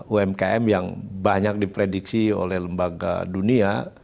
umkm yang banyak diprediksi oleh lembaga dunia